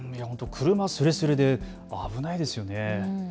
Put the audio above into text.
車すれすれで危ないですよね。